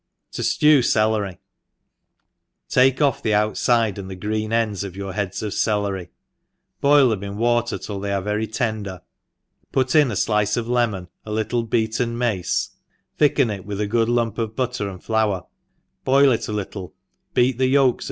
Tojlenx) Celery* TAKE oflF *be outfide and the green ends of your heads of celery, boil them in water titt they are very tender, put in a flice of lemon, a little beaten mace^ thicken it with a good lump of butter and flour, boil it a little, beat the yolks of ENGLISH HOUSE. KEEPER.